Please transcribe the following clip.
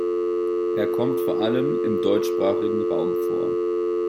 Er kommt vor allem im deutschsprachigen Raum vor.